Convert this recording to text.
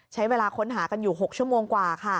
ใช้เวลาค้นหากันอยู่๖ชั่วโมงกว่าค่ะ